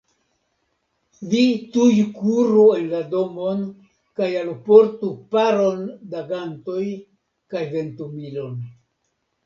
Vi tuj kuru en la domon kaj alportu paron da gantoj kaj ventumilon.